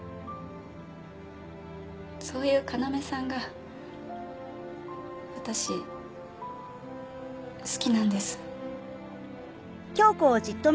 そういう要さんが私好きなんです。